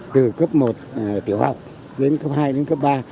từ cấp một tiểu học đến cấp hai đến cấp ba